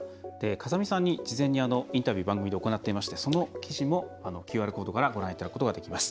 風見さんに事前にインタビュー番組で行っていましてその記事もＱＲコードからご覧いただくことができます。